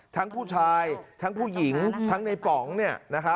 ทั้งผู้ชายทั้งผู้หญิงทั้งในป๋องเนี่ยนะฮะ